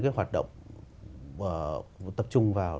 cái hoạt động tập trung vào